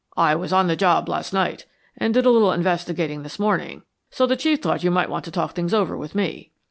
"I was on the job last night, and did a little investigating this morning, so the Chief thought you might want to talk things over with me."